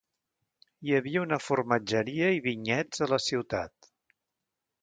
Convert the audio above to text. Hi havia una formatgeria i vinyets a la ciutat.